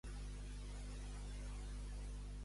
Què els manifestava amb ímpetu?